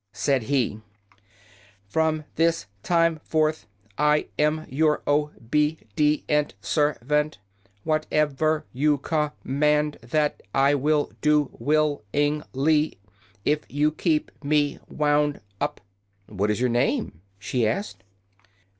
Said he: "From this time forth I am your o be di ent ser vant. What ev er you com mand, that I will do will ing ly if you keep me wound up." "What is your name?" she asked.